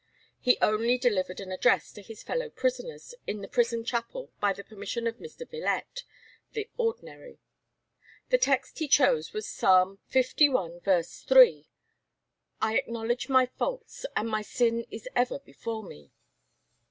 He only delivered an address to his fellow prisoners in the prison chapel by the permission of Mr. Villette, the ordinary. The text he chose was Psalm li. 3, "I acknowledge my faults; and my sin is ever before me."